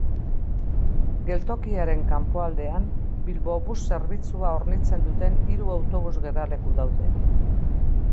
Geltokiaren kanpoaldean Bilbobus zerbitzua hornitzen duten hiru autobus geraleku daude.